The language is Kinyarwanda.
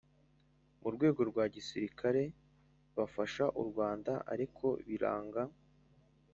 mu rwego rwa gisirikari bafasha u rwanda, ariko biranga